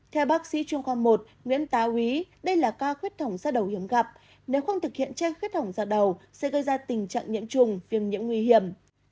theo bác sĩ trung khoa một nguyễn tá quý đây là ca khuyết thổng ra đầu hiếm gặp nếu không thực hiện che khuyết thổng ra đầu sẽ gây ra tình trạng nhiễm trùng viêm nhiễm nguy hiểm